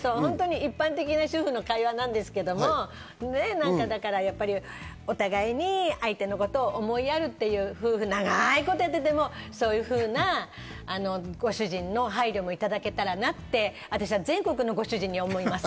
一般的な主婦の会話なんですけど、お互いに相手のことを思いやるという夫婦、長いことやっていてもご主人の配慮もいただけたらなって私は全国のご主人に思います。